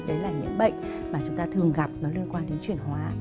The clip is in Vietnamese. đấy là những bệnh mà chúng ta thường gặp nó liên quan đến chuyển hóa